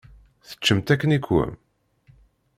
Teččamt akken iqwem?